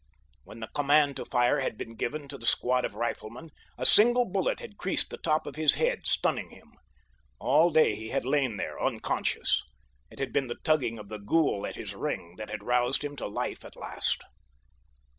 When the command to fire had been given to the squad of riflemen, a single bullet had creased the top of his head, stunning him. All day he had lain there unconscious. It had been the tugging of the ghoul at his ring that had roused him to life at last.